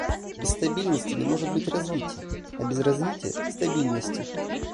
Без стабильности не может быть развития, а без развития — стабильности.